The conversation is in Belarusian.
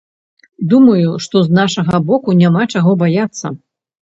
Думаю, што з нашага боку няма чаго баяцца.